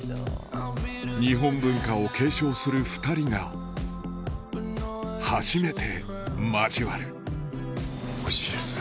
日本文化を継承する２人が初めて交わるおいしいですね。